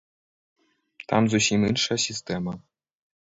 Там зусім іншая сістэма.